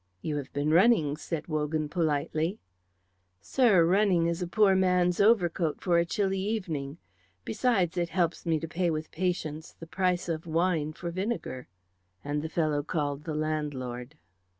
"You have been running," said Wogan, politely. "Sir, running is a poor man's overcoat for a chilly evening; besides it helps me to pay with patience the price of wine for vinegar;" and the fellow called the landlord.